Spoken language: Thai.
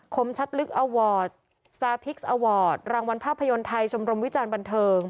มชัดลึกอวอร์ดซาพิกซอวอร์ดรางวัลภาพยนตร์ไทยชมรมวิจารณบันเทิง